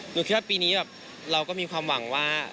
หนูคิดว่าปีนี้แบบเราก็มีความหวังว่า